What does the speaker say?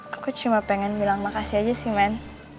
aku cuma pengen bilang makasih aja sih man